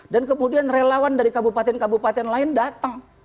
dan kemudian relawan dari kabupaten kabupaten lain datang